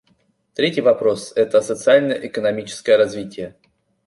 Третий вопрос — это социально-экономическое развитие.